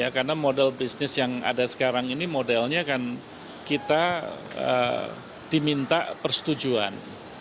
karena model bisnis yang ada sekarang ini modelnya kan kita diminta persetujuan